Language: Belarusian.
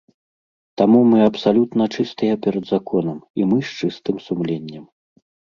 Таму мы абсалютна чыстыя перад законам і мы з чыстым сумленнем.